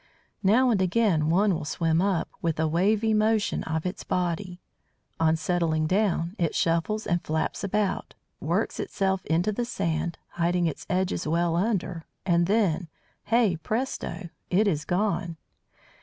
Now and again one will swim up, with a wavy motion of its body. On settling again, it shuffles and flaps about, works itself into the sand, hiding its edges well under, and then, hey presto! it is gone!